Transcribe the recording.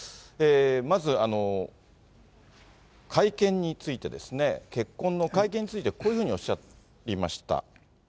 まず会見についてですね、結婚の会見について、こういうふうにおっしゃいました。